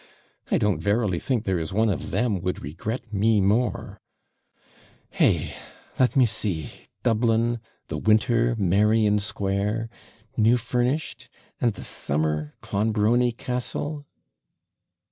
I don't verily think there is one of them would regret me more Hey! let me see, Dublin the winter Merrion Square new furnished and the summer Clonbrony Castle!'